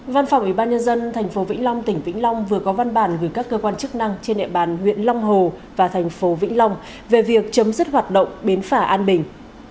văn phòng ủy ban nhân dân tp vĩnh long tỉnh vĩnh long vừa có văn bản gửi các cơ quan chức năng trên địa bàn huyện long hồ và thành phố vĩnh long về việc chấm dứt hoạt động bến phả an bình